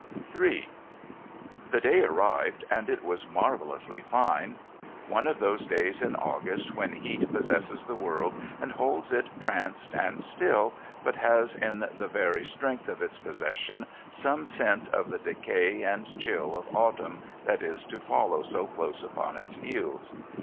III The day arrived, and it was marvellously fine one of those days in August when heat possesses the world and holds it tranced and still, but has in the very strength of its possession some scent of the decay and chill of autumn that is to follow so close upon its heels.